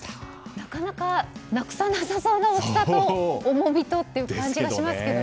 なかなかなくさなさそうな大きさと重みとという感じがしますけどね。